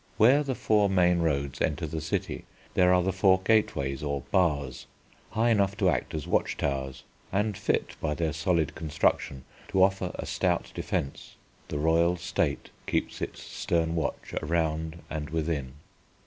Where the four main roads enter the city there are the four gateways, or Bars, high enough to act as watch towers and fit by their solid construction to offer a stout defence. The royal State keeps its stern watch around and within.